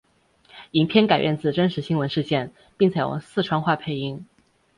影片改编自真实新闻事件并采用四川话配音。